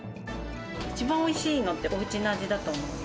一番おいしいのっておうちの味だと思うので。